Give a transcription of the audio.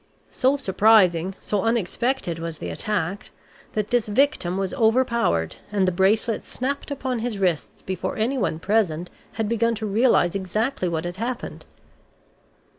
So surprising, so unexpected was the attack, that this victim was overpowered and the bracelets snapped upon his wrists before anyone present had begun to realize exactly what had happened.